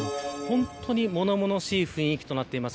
本当に物々しい雰囲気となっています。